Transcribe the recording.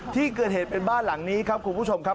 ที่เกิดเหตุเป็นบ้านหลังนี้ครับคุณผู้ชมครับ